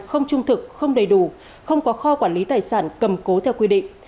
không trung thực không đầy đủ không có kho quản lý tài sản cầm cố theo quy định